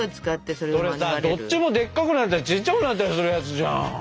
それどっちもでっかくなったりちっちゃくなったりするやつじゃん！